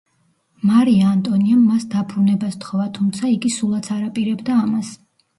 მარია ანტონიამ მას დაბრუნება სთხოვა, თუმცა იგი სულაც არ აპირებდა ამას.